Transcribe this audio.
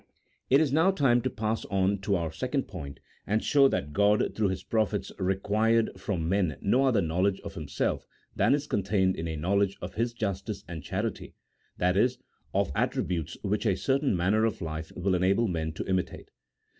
It is now time to pass on to our second point, and show that God through His prophets required from men no other knowledge of Himself than is contained in a knowledge of His justice and charity — that is, of attributes which a certain manner of life will enable men to imitate.